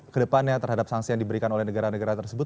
kedepannya terhadap sanksi yang diberikan oleh negara negara tersebut